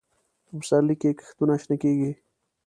په پسرلي کې کښتونه شنه کېږي.